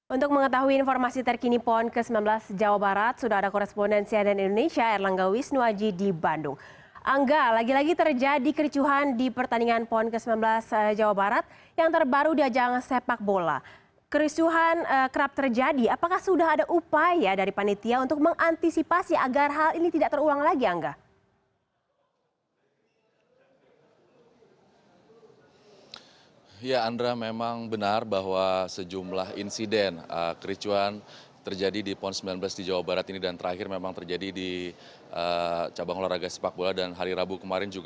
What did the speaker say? untuk mengetahui informasi terkini pon ke sembilan belas jawa barat sudah ada korespondensi adan indonesia erlangga wisnuwaji di bandung